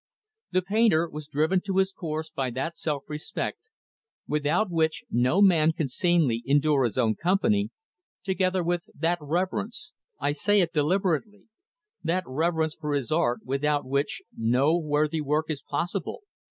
The painter was driven to his course by that self respect, without which, no man can sanely endure his own company; together with that reverence I say it deliberately that reverence for his art, without which, no worthy work is possible.